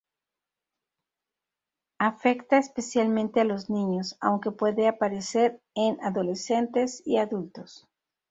Afecta especialmente a los niños, aunque puede aparecer en adolescentes y adultos.